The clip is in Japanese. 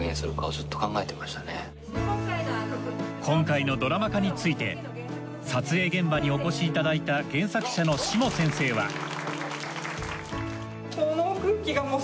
今回のドラマ化について撮影現場にお越しいただいた原作者の志茂先生は。